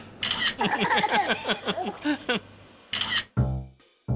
ハハハハ。